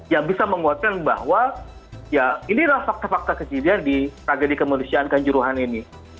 yang bisa menguatkan bahwa ya inilah fakta fakta kejadian di tragedi kemanusiaan kanjuruhan ini